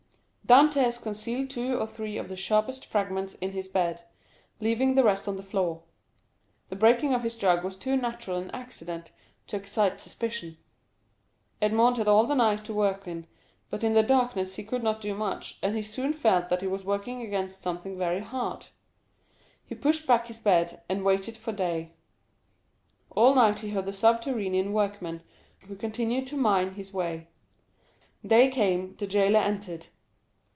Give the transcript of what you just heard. Dantès concealed two or three of the sharpest fragments in his bed, leaving the rest on the floor. The breaking of his jug was too natural an accident to excite suspicion. Edmond had all the night to work in, but in the darkness he could not do much, and he soon felt that he was working against something very hard; he pushed back his bed, and waited for day. All night he heard the subterranean workman, who continued to mine his way. Day came, the jailer entered.